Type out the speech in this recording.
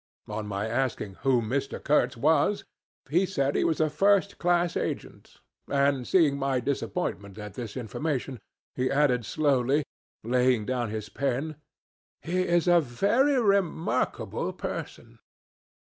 On my asking who Mr. Kurtz was, he said he was a first class agent; and seeing my disappointment at this information, he added slowly, laying down his pen, 'He is a very remarkable person.'